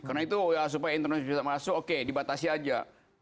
karena itu supaya internasional bisa masuk oke dibatasi aja